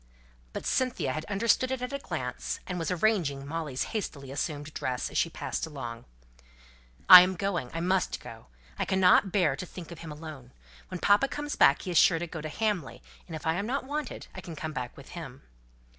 But Cynthia had understood it at a glance, and was arranging Molly's hastily assumed dress, as she passed along. "I am going. I must go. I cannot bear to think of him alone. When papa comes back he is sure to go to Hamley, and if I am not wanted, I can come back with him."